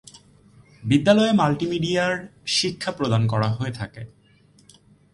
বিদ্যালয়ে মাল্টিমিডিয়ায় শিক্ষা প্রদান করা হয়ে থাকে।